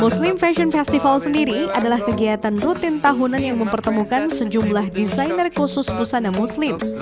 muslim fashion festival sendiri adalah kegiatan rutin tahunan yang mempertemukan sejumlah desainer khusus busana muslim